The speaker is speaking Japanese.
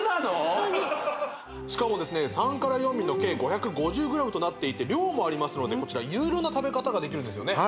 ホントにしかもですね３４尾の計５５０ｇとなっていて量もありますのでこちら色々な食べ方ができるんですよね